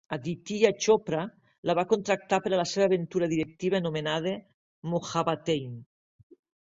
Aditya Chopra la va contractar per a la seva aventura directiva anomenada "Mohabbatein".